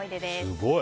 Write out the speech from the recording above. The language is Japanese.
すごい！